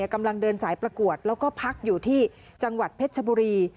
กำลังเดินสายประกวดแล้วก็พักอยู่ที่จังหวัดเพชรชบุรี